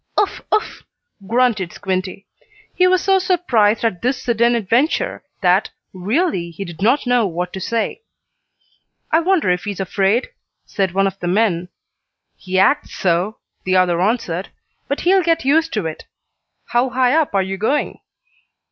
"Uff! Uff!" grunted Squinty. He was so surprised at this sudden adventure that, really, he did not know what to say. "I wonder if he's afraid?" said one of the men. "He acts so," the other answered. "But he'll get used to it. How high up are you going?"